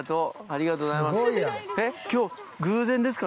ありがとうございます。